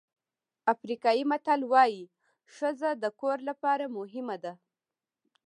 افریقایي متل وایي ښځه د کور لپاره مهمه ده.